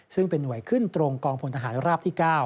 ซึ่งเป็นหน่วยขึ้นตรงกองพลทหารราบที่๙